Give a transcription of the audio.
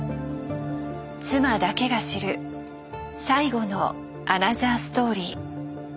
妻だけが知る最後のアナザーストーリー。